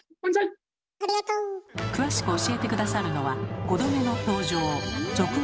詳しく教えて下さるのは５度目の登場俗語